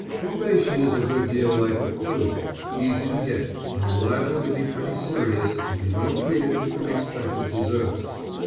Probation is a good deal like the "flu": easy to get, and liable to be pretty serious if you don't treat it with the respect it deserves.